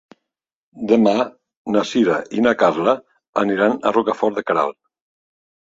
Demà na Sira i na Carla aniran a Rocafort de Queralt.